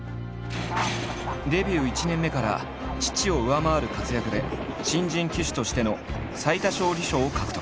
デビュー１年目から父を上回る活躍で新人騎手としての最多勝利賞を獲得。